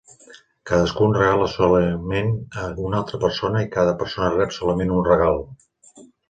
Cadascun regala solament a una altra persona, i cada persona rep solament un regal.